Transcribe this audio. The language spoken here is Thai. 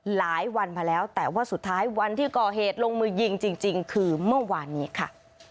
หลายวันมาแล้วแต่ว่าสุดท้ายวันที่ก่อเหตุลงมือยิงจริงคือเมื่อวานนี้ค่ะ